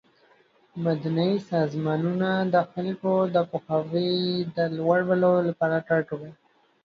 مدني سازمانونه د خلکو د پوهاوي د لوړولو لپاره کار کوي.